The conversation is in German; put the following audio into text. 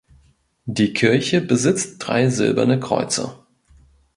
Die Kirche besitzt drei silberne Kreuze.